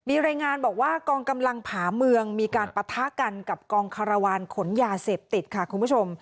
มีรายงานบอกว่ากองกำลังผาเมืองมีการปะทะกันกับกองคารวาลขนยาเสพติดค่ะคุณผู้ชม